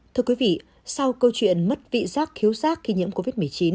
thưa quý vị sau câu chuyện mất vị giác khiếu giác khi nhiễm covid một mươi chín